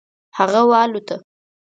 هغه والوته.